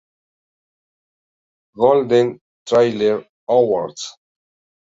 Golden Trailer Awards